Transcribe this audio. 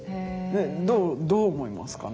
どう思いますかね？